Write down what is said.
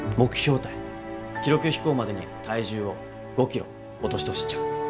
記録飛行までに体重を５キロ落としてほしいっちゃ。